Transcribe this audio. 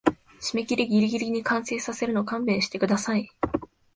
締切ギリギリに完成させるの勘弁してください